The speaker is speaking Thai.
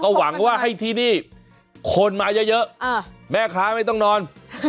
หวังว่าให้ที่นี่คนมาเยอะแม่ค้าไม่ต้องนอน